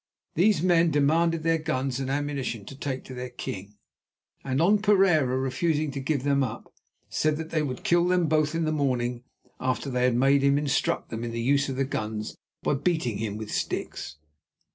These men demanded their guns and ammunition to take to their king, and, on Pereira refusing to give them up, said that they would kill them both in the morning after they had made him instruct them in the use of the guns by beating him with sticks.